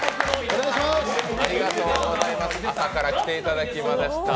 朝から来ていただきました。